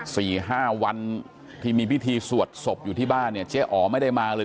สี่ห้าวันที่มีพิธีสวดศพอยู่ที่บ้านเนี่ยเจ๊อ๋อไม่ได้มาเลย